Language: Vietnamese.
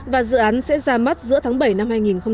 và dự án sẽ ra mắt giữa tháng bảy năm hai nghìn một mươi tám